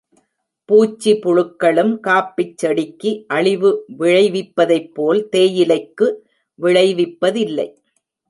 பூச்சி புழுக்களும் காஃபிச் செடிக்கு அழிவு விளைவிப்பதைப் போல் தேயிலைக்கு விளைவிப்பதில்லை.